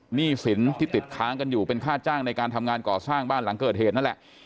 หนี้สินที่ติดค้างกันอยู่เป็นค่าจ้างในการทำงานก่อสร้างบ้านหลังเกิดเหตุนั่นแหละ